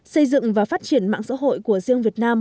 xây dựng và phát triển mạng xã hội của riêng việt nam